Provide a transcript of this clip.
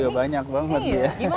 iya banyak banget